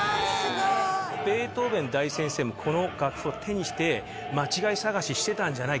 ベートーヴェン大先生もこの楽譜を手にして間違い探ししてたんじゃない？